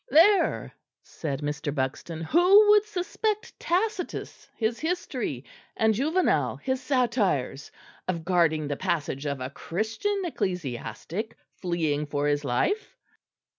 "There," said Mr. Buxton, "who would suspect Tacitus his history and Juvenal his satires of guarding the passage of a Christian ecclesiastic fleeing for his life?"